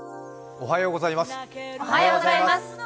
おはようございます。